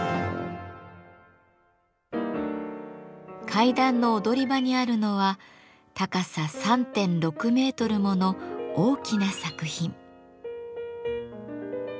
階段の踊り場にあるのは高さ３．６メートルもの大きな作品。